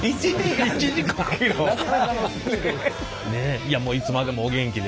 いやもういつまでもお元気で。